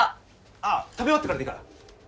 あっ食べ終わってからでいいから。